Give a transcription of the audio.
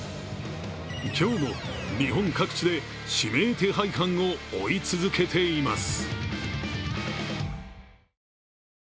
今日も日本各地で指名手配犯を追い続けています。